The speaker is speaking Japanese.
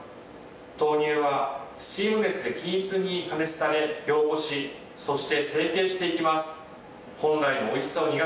豆乳はスチーム熱で均一に加熱され凝固しそして成型していきます。